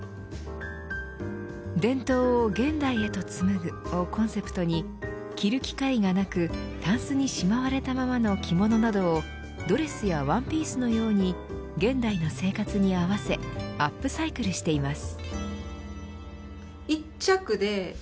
伝統を現代へと紡ぐをコンセプトに着る機会がなく、たんすにしまわれたままの着物などをドレスやワンピースのように現代の生活に合わせアップサイクルしています。